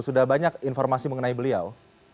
sudah banyak informasi mengenai beliau